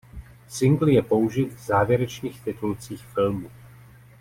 Singl je použit v závěrečných titulcích filmu.